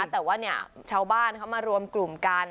แต่ว่าชาวบ้านเขามารวมกลุ่มกัน